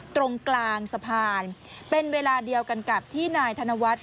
ตรงกลางสะพานเป็นเวลาเดียวกันกับที่นายธนวัฒน์